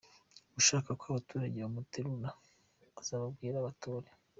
Ushaka ko abaturage bamuterura azababwire batore.